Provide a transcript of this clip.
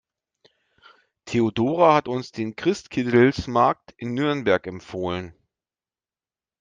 Theodora hat uns den Christkindlesmarkt in Nürnberg empfohlen.